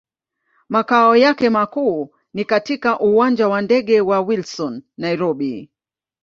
Makao yake makuu ni katika Uwanja wa ndege wa Wilson, Nairobi.